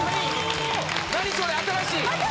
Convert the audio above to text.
何それ⁉新しい！